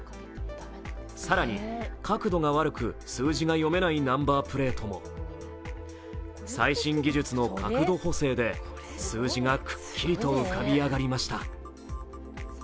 更に、角度が悪く数字が読めないナンバープレートも最新技術の角度補正で数字がくっきりと浮かび上がりました。